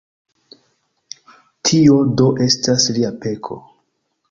Tio do estas lia peko.